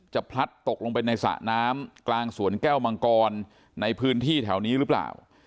พลัดตกลงไปในสระน้ำกลางสวนแก้วมังกรในพื้นที่แถวนี้หรือเปล่า